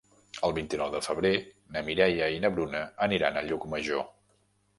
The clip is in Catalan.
El vint-i-nou de febrer na Mireia i na Bruna aniran a Llucmajor.